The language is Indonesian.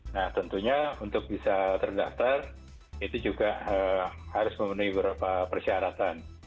nah tentunya untuk bisa terdaftar itu juga harus memenuhi beberapa persyaratan